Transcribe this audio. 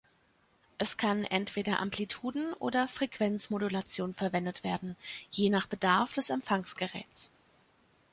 Es kann entweder Amplituden- oder Frequenzmodulation verwendet werden, je nach Bedarf des Empfangsgeräts.